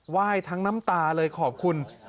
ยทั้งน้ำตาเลยขอบคุณ